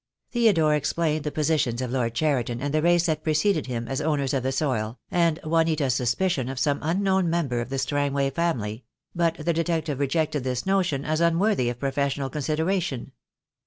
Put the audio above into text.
Theodore explained the positions of Lord Cheriton and the race that preceded him as owners of the soil, and Juanita's suspicion of some unknown member of the Strangway family; but the detective rejected this notion as unworthy of professional consideration.